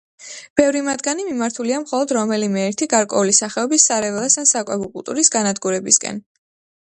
ბევრი მათგანი მიმართულია მხოლოდ რომელიმე ერთი გარკვეული სახეობის სარეველას ან საკვები კულტურის განადგურებისკენ.